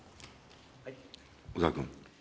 小沢君。